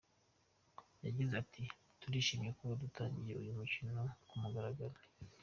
Yagize ati “Turishimye kuba dutangije uyu mukino ku mugaragaro.